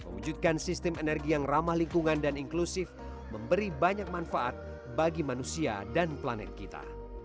wujudkan sistem energi yang ramah lingkungan dan inklusif memberi banyak manfaat bagi manusia dan planet kita